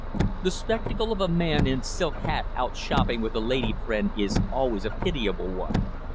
The spectacle of a man in silk hat out shopping with a lady friend is always a pitiable one.